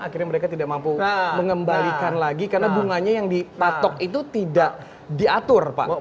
akhirnya mereka tidak mampu mengembalikan lagi karena bunganya yang dipatok itu tidak diatur pak